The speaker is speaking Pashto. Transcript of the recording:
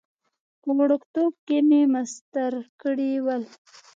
په وړکتوب کې مې مسطر کړي ول.